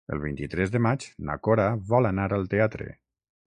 El vint-i-tres de maig na Cora vol anar al teatre.